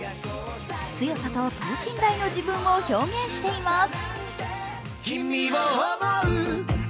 強さと等身大の自分を表現しています。